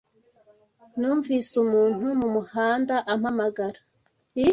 Numvise umuntu mumuhanda ampamagara.